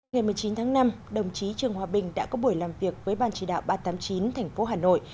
ngày một mươi chín tháng năm đồng chí trường hòa bình đã có buổi làm việc với ban chỉ đạo ba trăm tám mươi chín tp hà nội